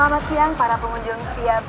selamat siang para pengunjung siap